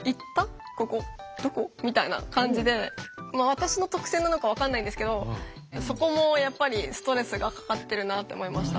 私の特性なのか分かんないんですけどそこもやっぱりストレスがかかってるなって思いました。